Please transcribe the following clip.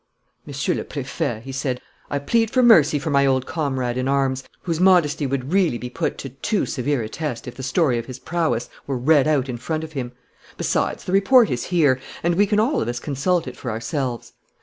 "Monsieur le Préfet," he said, "I plead for mercy for my old comrade in arms, whose modesty would really be put to too severe a test if the story of his prowess were read out in front of him. Besides, the report is here; and we can all of us consult it for ourselves.